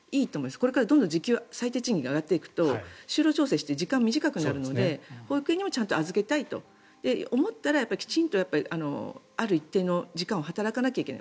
これからどんどん最低賃金が上がっていくと就労調整をして時間が短くなるので保育園にもちゃんと預けたいと思ったらきちんと、ある一定の時間を働かなければいけない。